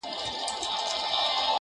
خو لا نن هم دی رواج د اوسنیو٫